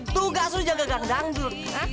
tugas lo jaga gandang dulu